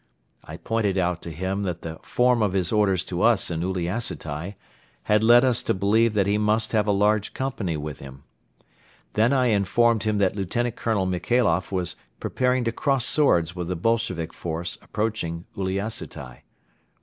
I pointed out to him that the form of his orders to us in Uliassutai had led us to believe that he must have a large company with him. Then I informed him that Lt. Colonel Michailoff was preparing to cross swords with the Bolshevik force approaching Uliassutai.